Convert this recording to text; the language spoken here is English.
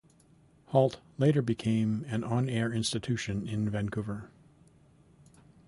Hault later became an on-air institution in Vancouver.